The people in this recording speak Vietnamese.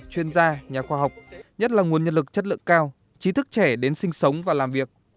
chuyên gia nhà khoa học nhất là nguồn nhân lực chất lượng cao trí thức trẻ đến sinh sống và làm việc